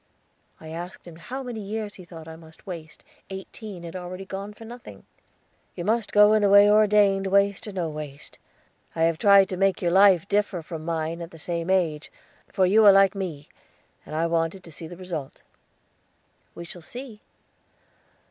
I asked him how many years he thought I must waste; eighteen had already gone for nothing. "You must go in the way ordained, waste or no waste. I have tried to make your life differ from mine at the same age, for you are like me, and I wanted to see the result." "We shall see."